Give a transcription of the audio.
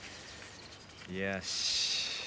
よし。